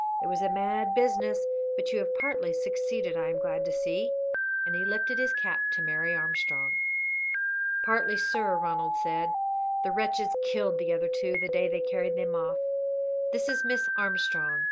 It was a mad business, but you have partly succeeded, I am glad to see," and he lifted his cap to Mary Armstrong. "Partly, sir," Ronald said. "The wretches killed the other two the day they carried them off. This is Miss Armstrong.